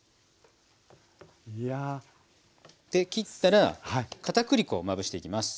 切ったらかたくり粉をまぶしていきます。